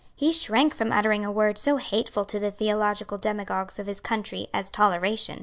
He shrank from uttering a word so hateful to the theological demagogues of his country as Toleration.